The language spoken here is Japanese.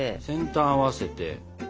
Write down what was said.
先端合わせて。